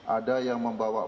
ada yang membawa